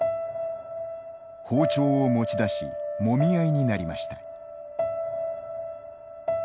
包丁を持ち出しもみ合いになりました。